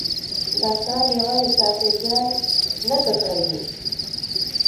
دا کار يوازي چاپېريال نه ککړوي،